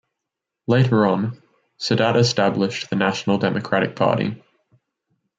Later on Sadat established the National Democratic party.